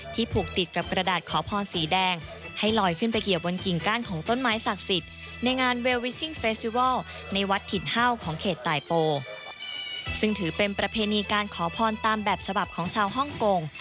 มีการขอพรตามแบบฉบับของชาวฮ่องกง